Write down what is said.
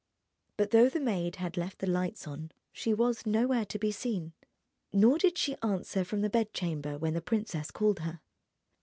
But though the maid had left the lights on, she was nowhere to be seen. Nor did she answer from the bedchamber when the princess called her.